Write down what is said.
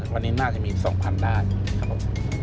วันนี้น่าจะมีอีก๒๐๐๐ได้ครับผม